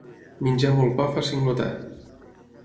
Menjar molt pa fa singlotar.